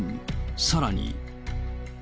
さらに。